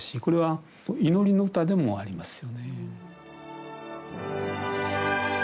これは祈りの歌でもありますよね。